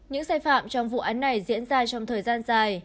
những sai phạm trong vụ án này diễn ra trong thời gian dài